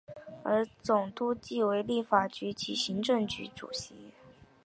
而总督亦为立法局及行政局主席。